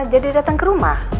jadi datang ke rumah